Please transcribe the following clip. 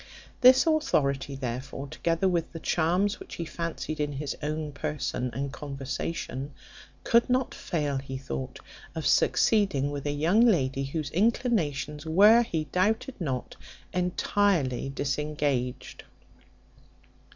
This authority, therefore, together with the charms which he fancied in his own person and conversation, could not fail, he thought, of succeeding with a young lady, whose inclinations were, he doubted not, entirely disengaged.